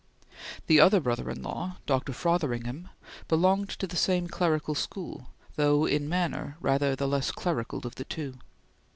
The other brother in law, Dr. Frothingham, belonged to the same clerical school, though in manner rather the less clerical of the two.